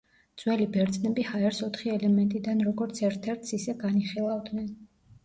ძველი ბერძნები ჰაერს ოთხი ელემენტიდან როგორც ერთ-ერთს ისე განიხილავდნენ.